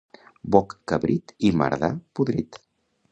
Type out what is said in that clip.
Boc cabrit i mardà podrit.